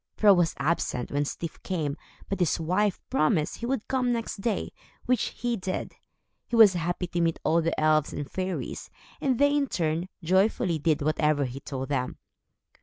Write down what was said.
Fro was absent, when Styf came, but his wife promised he would come next day, which he did. He was happy to meet all the elves and fairies, and they, in turn, joyfully did whatever he told them.